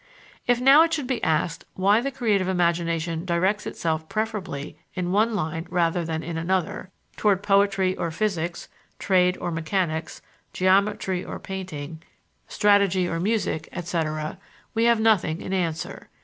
If now it should be asked why the creative imagination directs itself preferably in one line rather than in another toward poetry or physics, trade or mechanics, geometry or painting, strategy or music, etc. we have nothing in answer.